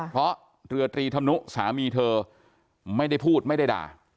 เพราะเรือตรีธนุสามีเธอไม่ได้พูดไม่ได้ด่า